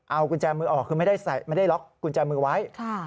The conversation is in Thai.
เอากุญแจมือออกคือไม่ได้ล็อกกุญแจมือไว้